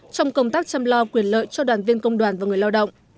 trong công tác chăm lo quyền lợi cho đoàn viên công đoàn và người lao động